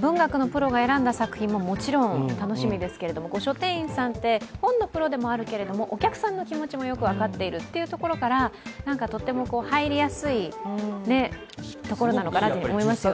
文学のプロが選んだ作品ももちろん楽しみですけれども、書店員さんって本のプロでもあるけれども、お客さんの気持ちも分かるということで、とっても入りやすいところなのかなって思いますよね。